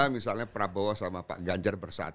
misalnya prabowo sama pak ganjar bersatu